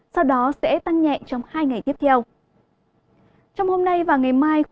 sau đó từ ngày ba mươi ba mươi một tháng tám mưa có xu hướng giảm hơn nhiệt độ cũng tăng nhẹ